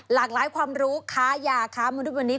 หลากหลายความรู้ค้ายาค้ามนุษย์วันนี้